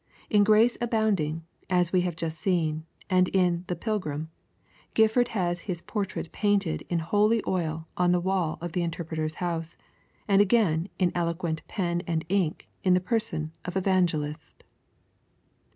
In his Grace Abounding, as we have just seen, and in The Pilgrim, Gifford has his portrait painted in holy oil on the wall of the Interpreter's house, and again in eloquent pen and ink in the person of Evangelist.